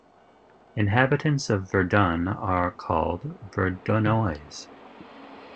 Inhabitants of Verdun are called "Verdunois".